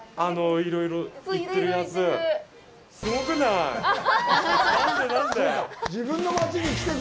いろいろ行ってるやつ？